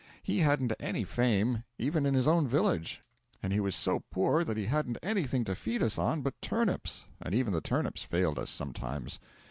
He hadn't any fame, even in his own village; and he was so poor that he hadn't anything to feed us on but turnips, and even the turnips failed us sometimes.